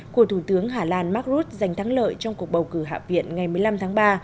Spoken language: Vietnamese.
của thủ tướng hà lan mark rutte giành thắng lợi trong cuộc bầu cử hạ viện ngày một mươi năm tháng ba